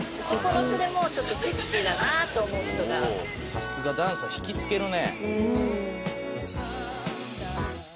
さすがダンサー引きつけるね。